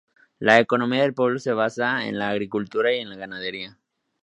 La economía del pueblo se basaba en la agricultura y en la ganadería.